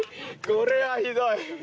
これはひどい。